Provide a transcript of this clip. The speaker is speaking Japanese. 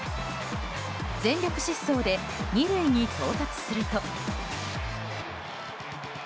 全力疾走で２塁に到達すると。